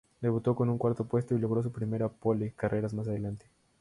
Debutó con un cuarto puesto, y logró su primera "pole" carreras más adelante.